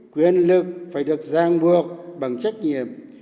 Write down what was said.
quyền lực phải được giang buộc bằng trách nhiệm